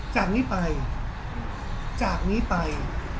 จากนี้ไปจากนี้ไป